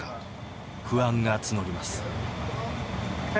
不安が募ります。